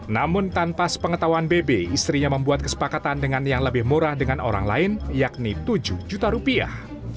namun tanpa sepengetahuan bebe istrinya membuat kesepakatan dengan yang lebih murah dengan orang lain yakni tujuh juta rupiah